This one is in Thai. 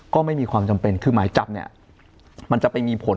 ก็ไม่มีความจำเป็นคือหมายจับเนี่ยมันจะไปมีผล